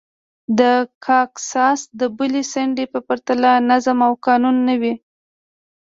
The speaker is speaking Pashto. د کاساس د بلې څنډې په پرتله نظم او قانون نه و